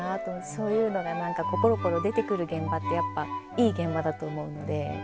そういうのが何かぽろぽろ出てくる現場ってやっぱいい現場だと思うので。